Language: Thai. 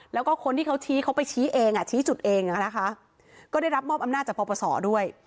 แล้วก็คนที่เขาไปชี้จุดเองนะคะก็ได้รับมอบอำนาจจากพศด้วย